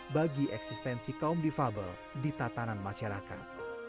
bagi eksistensi kaum difabel di tatanan masyarakat